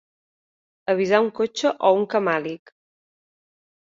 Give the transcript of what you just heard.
Avisar un cotxe o un camàlic?